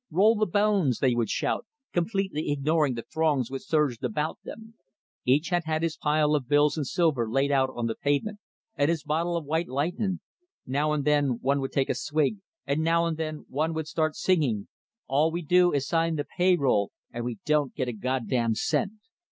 "Roll the bones!" they would shout, completely ignoring the throngs which surged about them. Each had his pile of bills and silver laid out on the pavement, and his bottle of "white lightnin';" now and then one would take a swig, and now and then one would start singing: All we do is sign the pay roll And we don't get a goddam cent.